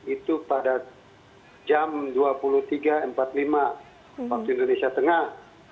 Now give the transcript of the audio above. itu pada jam dua puluh tiga empat puluh lima waktu indonesia tengah